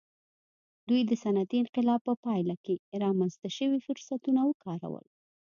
دوی د صنعتي انقلاب په پایله کې رامنځته شوي فرصتونه وکارول.